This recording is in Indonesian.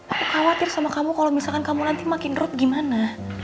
aku khawatir sama kamu kalau misalkan kamu nanti makin road gimana